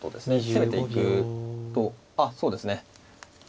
攻めていくとあそうですね。